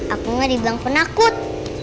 aku nggak dibilang penakut